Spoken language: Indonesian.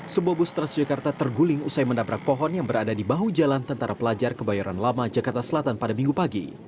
sebuah bus transjakarta terguling usai menabrak pohon yang berada di bahu jalan tentara pelajar kebayoran lama jakarta selatan pada minggu pagi